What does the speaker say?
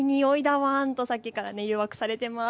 ワンとさっきから誘惑されています。